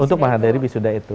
untuk menghadiri wisuda itu